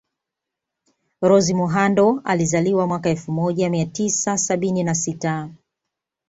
Rose Muhando alizaliwa mwaka elfu moja mia tisa sabini na sita